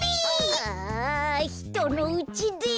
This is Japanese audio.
ああひとのうちで。